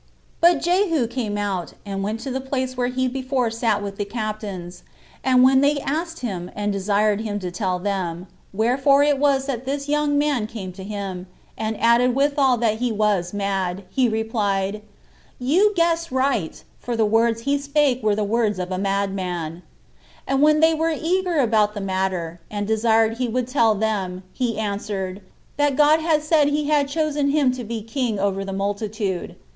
2. But Jehu came out, and went to the place where he before sat with the captains; and when they asked him, and desired him to tell them, wherefore it was that this young man came to him, and added withal that he was mad, he replied,"You guess right, for the words he spake were the words of a madman;" and when they were eager about the matter, and desired he would tell them, he answered, that God had said he had chosen him to be king over the multitude.